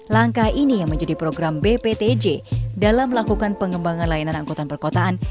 langkah ini yang menjadi program bptj dalam melakukan pengembangan layanan angkutan perkotaan